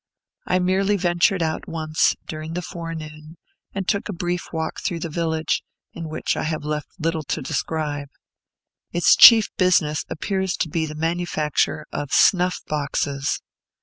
I merely ventured out once, during the forenoon, and took a brief walk through the village, in which I have left little to describe. Its chief business appears to be the manufacture of snuff boxes.